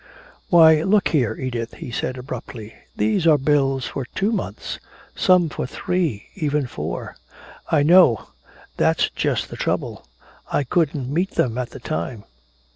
"Why, look here, Edith," he said abruptly, "these are bills for two months some for three, even four!" "I know that's just the trouble. I couldn't meet them at the time."